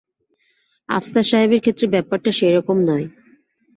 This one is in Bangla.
আফসার সাহেবের ক্ষেত্রে ব্যাপারটা সে-রকম নয়।